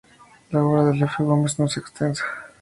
La obra de Efe Gómez no es extensa.